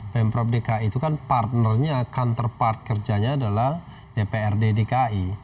pemprov dki itu kan partnernya counterpart kerjanya adalah dprd dki